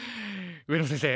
上野先生